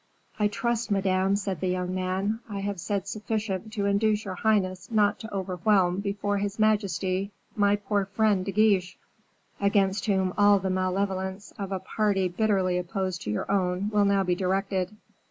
"I trust, Madame," said the young man, "I have said sufficient to induce your highness not to overwhelm before his majesty my poor friend, De Guiche, against whom all the malevolence of a party bitterly opposed to your own will now be directed."